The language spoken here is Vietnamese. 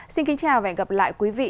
xin kính chào và hẹn gặp lại quý vị